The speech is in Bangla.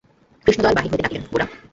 কৃষ্ণদয়াল বাহির হইতে ডাকিলেন, গোরা!